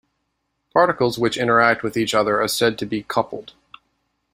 Particles which interact with each other are said to be coupled.